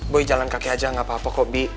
boy jalan kaki aja gapapa kok bi